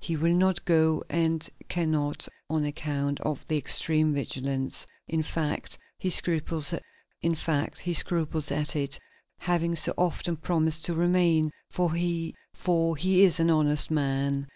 He will not go and can not, on account of the extreme vigilance. In fact, he scruples at it, having so often promised to remain, for he is an honest man....